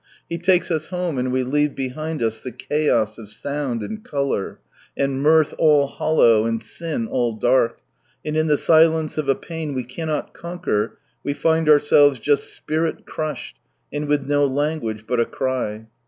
He takes us home, and we leave behind us the chaos of sound, and colour, and mirth all hollow, and sin all dark, and in the silence of a pain we cannot con quer, we find ourselves just spirit crushed, "and with no language but a cry."